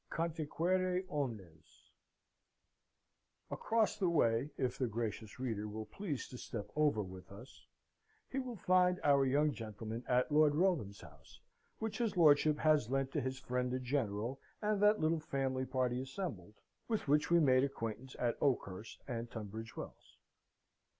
Conticuere Omnes Across the way, if the gracious reader will please to step over with us, he will find our young gentlemen at Lord Wrotham's house, which his lordship has lent to his friend the General, and that little family party assembled, with which we made acquaintance at Oakhurst and Tunbridge Wells.